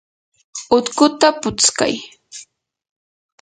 utkuta putskay.